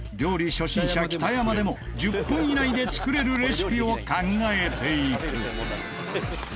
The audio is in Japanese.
初心者北山でも１０分以内で作れるレシピを考えていく